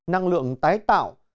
năng lượng tái tạo